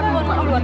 terima kasih allah